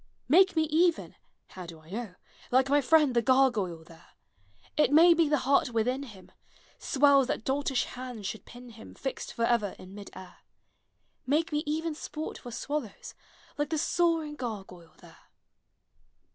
Make me even (How do I know?) Like my friend the gargoyle there; It may be the heart within him Swells that doltish hands should pin him Fixed forever in mid air. Make me even sport for swallows, Like the soaring gargoyle there!